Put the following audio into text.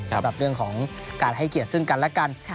สำหรับเรื่องของการให้เกียรติซึ่งกันและกัน